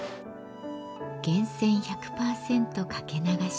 源泉１００％かけ流し。